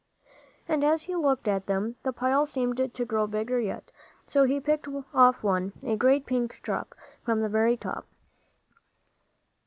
And as he looked at them, the pile seemed to grow bigger yet; so he picked off one, a great pink drop, from the very top.